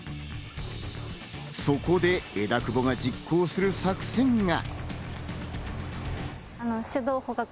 そこで枝久保が実行する作戦が。